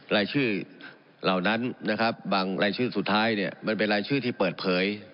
รายชื่อเหล่านั้นนะครับบางรายชื่อสุดท้ายเนี่ยมันเป็นรายชื่อที่เปิดเผย